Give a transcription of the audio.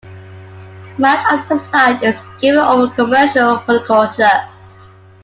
Much of the site is given over to commercial horticulture.